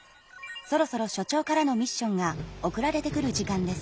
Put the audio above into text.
そろそろ所長からのミッションが送られてくる時間です。